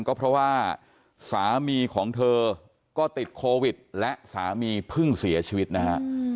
ก็เพราะว่าสามีของเธอก็ติดโควิดและสามีเพิ่งเสียชีวิตนะฮะ